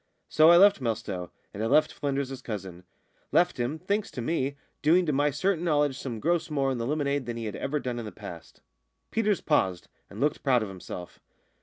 So I left Melstowe, and I left Flynders's cousin left him, thanks to me, doing to my certain knowledge some gross more in the lemonade than he had ever done in the past." Peters paused, and looked proud of himself.